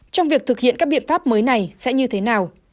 trong việc thực hiện các biện pháp mới này sẽ như thế nào